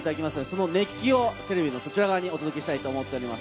その熱気をテレビのそっち側にお届けしたいと思います。